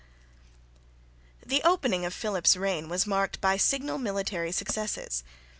The opening of Philip's reign was marked by signal military successes.